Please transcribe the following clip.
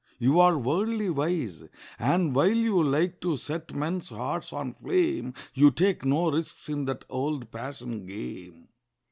You are worldly wise, And while you like to set men's hearts on flame, You take no risks in that old passion game.